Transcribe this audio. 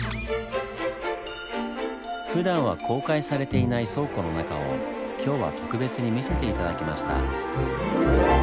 ふだんは公開されていない倉庫の中を今日は特別に見せて頂きました。